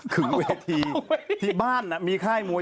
ถึงเวทีที่บ้านมีค่ายมวย